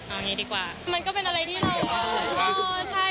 เอาอย่างงี้ดีกว่ามันก็เป็นอะไรที่เราอ๋อใช่